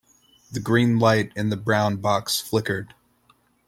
The green light in the brown box flickered.